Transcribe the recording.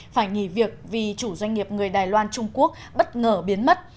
phải nghỉ việc vì chủ doanh nghiệp người đài loan trung quốc bất ngờ biến mất